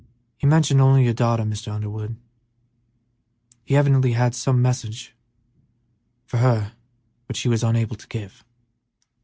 "He mentioned only your daughter, Mr. Underwood; he evidently had some message for her which he was unable to give."